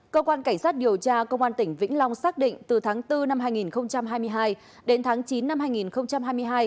cơ quan cảnh sát điều tra công an tỉnh vĩnh long xác định từ tháng bốn năm hai nghìn hai mươi hai đến tháng chín năm hai nghìn hai mươi hai